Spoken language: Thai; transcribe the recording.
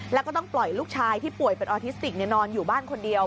แล้วก็ต้องปล่อยลูกชายที่ป่วยเป็นออทิสติกนอนอยู่บ้านคนเดียว